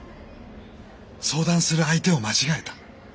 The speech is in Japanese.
相談する相手を間違えた。